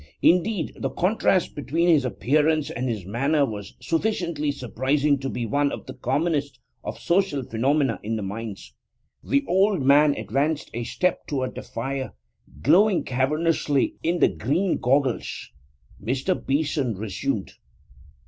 Indeed, the contrast between his appearance and his manner was sufficiently surprising to be one of the commonest of social phenomena in the mines. The old man advanced a step toward the fire, glowing cavernously in the green goggles. Mr. Beeson resumed.